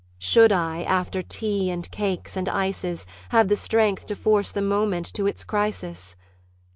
Should I, after tea and cakes and ices, Have the strength to force the moment to its crisis?